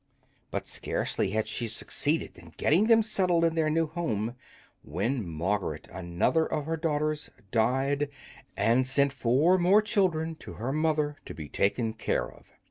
But scarcely had she succeeded in getting them settled in their new home when Margaret, another of her daughters, died, and sent four more children to her mother to be taken care of.